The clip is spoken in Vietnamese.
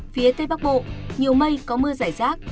phía tây bắc bộ nhiều mây có mưa giải rác